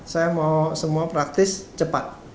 saya mau semua praktis cepat